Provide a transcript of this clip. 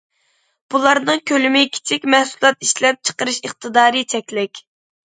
بۇلارنىڭ كۆلىمى كىچىك، مەھسۇلات ئىشلەپچىقىرىش ئىقتىدارى چەكلىك.